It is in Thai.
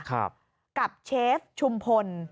กับเชฟชุมพล